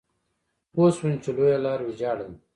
پوه شوم چې لویه لار ويجاړه ده.